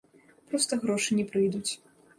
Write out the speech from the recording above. Проста грошы не прыйдуць.